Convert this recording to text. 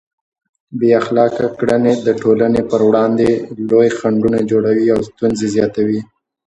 بې اخلاقه کړنې د ټولنې پر وړاندې لوی خنډونه جوړوي او ستونزې زیاتوي.